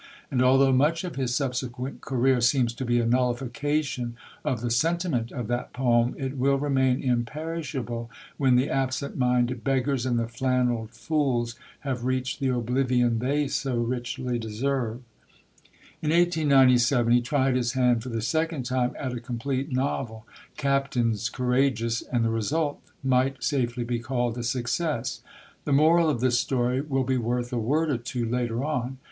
And although much of his subsequent career seems to be a nullification of the sentiment of that poem, it will remain imperishable when the absent minded beggars and the flannelled fools have reached the oblivion they so richly deserve. In 1897 he tried his hand for the second time at a complete novel, Captains Courageous, and the result might safely be called a success. The moral of this story will be worth a word or two later on.